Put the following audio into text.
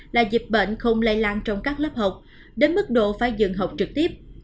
là dịch bệnh không lây lan trong các lớp học đến mức độ phải dừng học trực tiếp